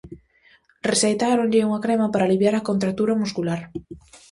Receitáronlle unha crema para aliviar a contractura muscular.